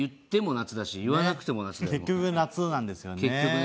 結局夏なんですよね。